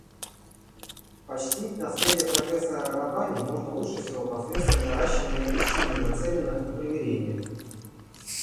Почтить наследие профессора Раббани можно лучше всего посредством наращивания усилий, нацеленных на примирение.